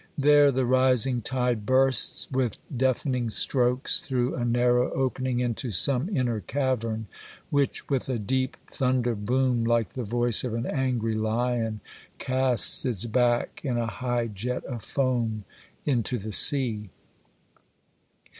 There the rising tide bursts with deafening strokes through a narrow opening into some inner cavern, which, with a deep thunder boom, like the voice of an angry lion, casts it back in a high jet of foam into the sea.